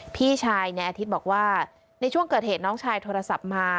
พี่ชายในอาทิตย์บอกว่าในช่วงเกิดเหตุน้องชายโทรศัพท์มา